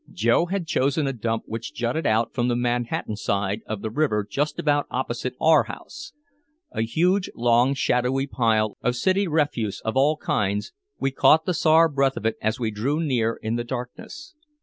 Joe had chosen a dump which jutted out from the Manhattan side of the river just about opposite our house. A huge, long, shadowy pile of city refuse of all kinds, we caught the sour breath of it as we drew near in the darkness.